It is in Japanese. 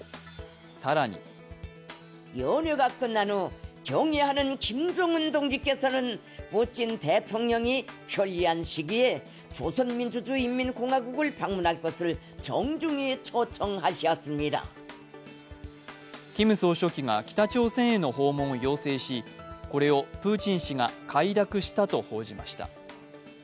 更にキム総書記が北朝鮮への訪問を要請し、これをプーチン氏が快諾したと報じました。